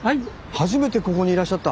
初めてここにいらっしゃった。